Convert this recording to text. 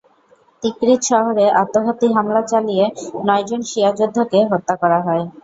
তিকরিত শহরে আত্মঘাতী হামলা চালিয়ে নয়জন শিয়া যোদ্ধাকে হত্যা করা হয়।